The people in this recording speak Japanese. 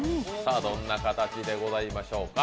どんな形でございましょうか。